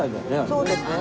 そうですね。